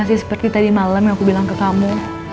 masih seperti tadi malam yang aku bilang ke kamu